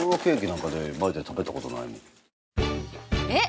えっ！